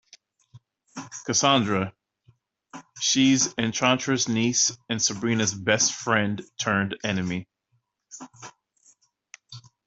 Cassandra: She's Enchantra's niece and Sabrina's best friend-turned-enemy.